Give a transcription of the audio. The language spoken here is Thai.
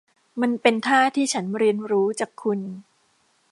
มันเป็นท่าที่ฉันเรียนรู้จากคุณ